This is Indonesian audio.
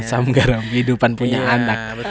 asam garam kehidupan punya anak